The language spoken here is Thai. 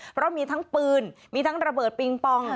เพราะมีทั้งปืนมีทั้งระเบิดปิงปอง